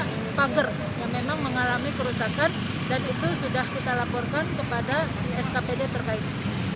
ada spager yang memang mengalami kerusakan dan itu sudah kita laporkan kepada skpd terkait